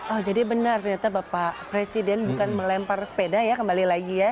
oh jadi benar ternyata bapak presiden bukan melempar sepeda ya kembali lagi ya